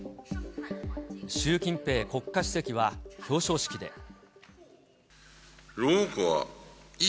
習近平国家主席は表彰式で。